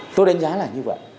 tôi đánh giá là như vậy